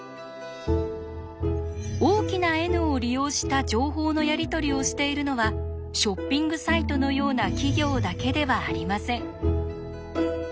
大きなＮを利用した情報のやり取りをしているのはショッピングサイトのような企業だけではありません。